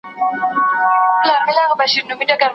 بحث او تبادله په حضوري ټولګي کي زده کوونکو ته برابر سوي ده.